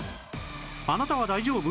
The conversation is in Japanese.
あなたは大丈夫？